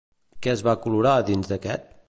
Què es va colorar dins aquest?